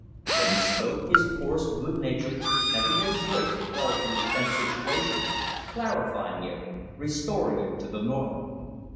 When he spoke, his coarse, good natured, everyday voice fell through the tense situation, clarifying it, restoring it to the normal.